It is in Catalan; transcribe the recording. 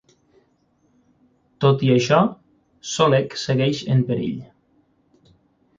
Tot i això, Solek segueix en perill.